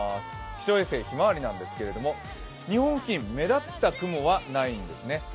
気象衛星ひまわりなんですけれども日本付近、目立った雲はないんですね。